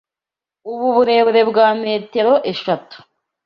Ubu burebure bwa metero eshatu.